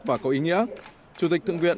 và có ý nghĩa chủ tịch thượng viện